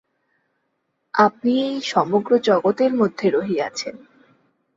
আপনি এই সমগ্র জগতের মধ্যে রহিয়াছেন।